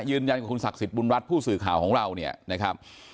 ยืนยันกับคุณศักดิ์สิทธิบุญรัฐผู้สื่อข่าวของเราเนี่ยนะครับ